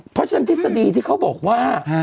เพราะฉะนั้นทฤษฎีที่เขาบอกว่า